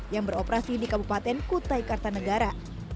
yang beroperasi di kabupaten kutai kartanegara